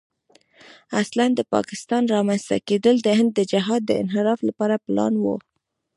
اصلاً د پاکستان رامنځته کېدل د هند د جهاد د انحراف لپاره پلان و.